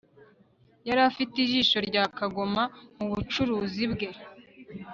Yari afite ijisho rya kagoma mu bucuruzi bwe